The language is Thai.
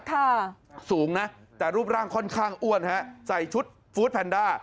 สูงนะแต่รูปร่างค่อนข้างอ้วนฮะใส่ชุดฟู้ดแพนด้า